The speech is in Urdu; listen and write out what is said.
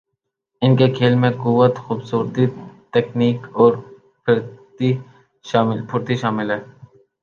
ان کے کھیل میں قوت، خوبصورتی ، تکنیک اور پھرتی شامل ہے۔